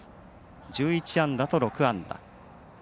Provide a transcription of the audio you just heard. １１安打と６安打。